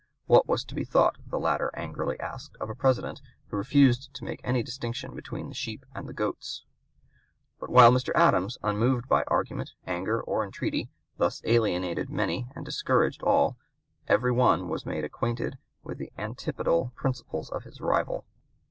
What was to be thought, the latter angrily asked, of a president who refused to make any distinction between the sheep and the goats? But while Mr. Adams, unmoved by argument, anger, or entreaty, thus alienated many and discouraged all, every one was made acquainted with the antipodal principles of his rival.